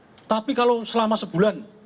tidak apa apa tapi kalau selama sebulan